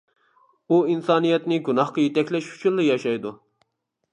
ئۇ ئىنسانىيەتنى گۇناھقا يېتەكلەش ئۈچۈنلا ياشايدۇ.